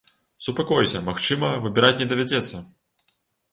Супакойся, магчыма, выбіраць не давядзецца!